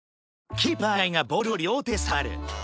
キーパー以外がボールを両手で触る。